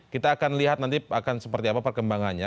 kita akan lihat nanti akan seperti apa perkembangannya